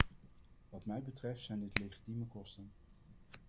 Wat mij betreft zijn dit legitieme kosten.